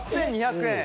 ８２００円。